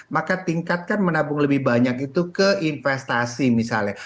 maka tingkatkan menabung lebih banyak itu ke investasi misalnya